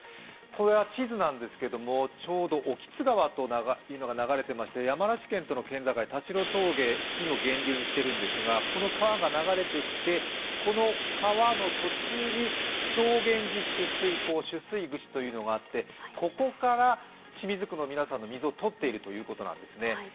これは地図なんですけれどもちょうど興津川というのが流れていまして山梨県との県境、田代峠付近を源流にしているのですがこの川が流れてきて、この川の途中に承元寺取水口というのがあってここから清水区の皆さんの水をとっているということなんですね。